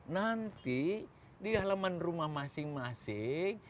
nanti di halaman rumah masing masing